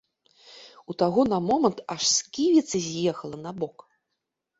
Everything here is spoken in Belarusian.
У таго на момант аж сківіца з'ехала набок.